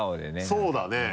そうだね。